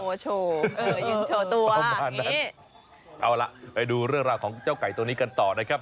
โอ้โหยืนโชว์ตัวประมาณนั้นเอาล่ะไปดูเรื่องราวของเจ้าไก่ตัวนี้กันต่อนะครับ